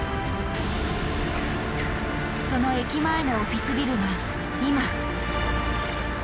その駅前のオフィスビルが今。